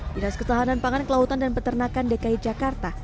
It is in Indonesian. dinas ketahanan pangan kelautan dan peternakan dki jakarta